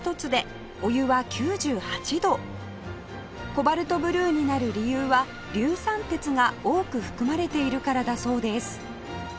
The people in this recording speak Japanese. コバルトブルーになる理由は硫酸鉄が多く含まれているからだそうです